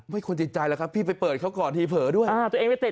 ไม่ควรติดใจกันแหละครับพี่ไปเปิดเขาก่อนเนี่ยเผาะด้วย